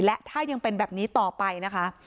และถ้ายังเป็นแบบนี้ต่อไปนะคะ